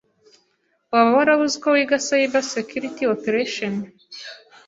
waba warabuze uko wiga cyber security operation